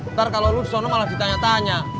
ntar kalau lu disana malah ditanya tanya